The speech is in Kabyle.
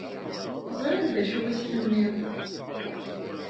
Ẓṛiɣ d acu i s-tenniḍ.